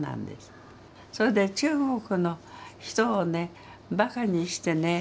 それで中国の人をねバカにしてね